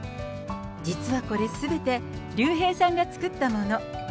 実はこれすべて、竜兵さんが作ったもの。